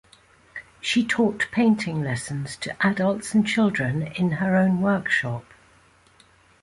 She taught painting lessons to adults and children in her own workshop.